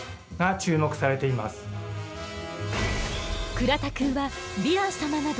倉田くんはヴィラン様など